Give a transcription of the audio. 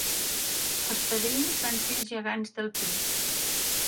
Els padrins van ser els Gegants del Pi.